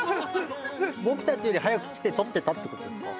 僕たちより早く来て採ってたってことですか？